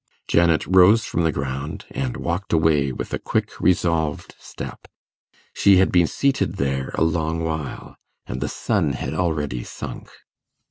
Janet rose from the ground, and walked away with a quick resolved step. She had been seated there a long while, and the sun had already sunk.